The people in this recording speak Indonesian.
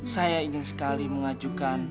saya ingin sekali mengajukan